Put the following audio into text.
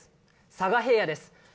佐賀平野です。